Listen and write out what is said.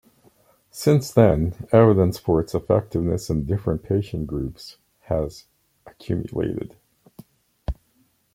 Since then, evidence for its effectiveness in different patient groups has accumulated.